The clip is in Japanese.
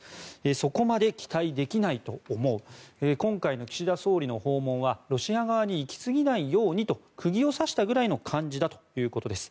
そこまで期待できないと思う今回の岸田総理の訪問はロシア側に行きすぎないようにと釘を刺したくらいの感じだということです。